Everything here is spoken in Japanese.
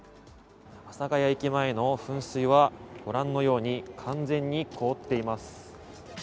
阿佐ケ谷駅前の噴水はご覧のように完全に凍っています。